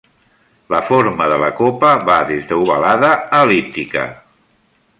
La forma de la copa va des d'ovalada a el·líptica.